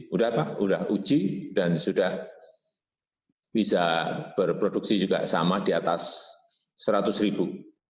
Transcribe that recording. udah pak sudah uji dan sudah bisa berproduksi juga sama di atas seratus ribu